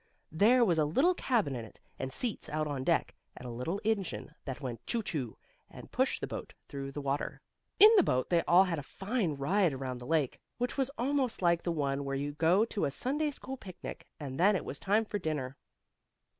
There was a little cabin in it, and seats out on deck, and a little engine that went "choo choo!" and pushed the boat through the water. In the boat they all had a fine ride around the lake, which was almost like the one where you go to a Sunday school picnic, and then it was time for dinner.